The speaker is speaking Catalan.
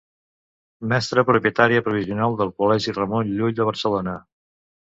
Mestra propietària provisional del Col·legi Ramon Llull de Barcelona.